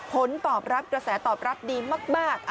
ผลตอบรับกระแสตอบรับดีมาก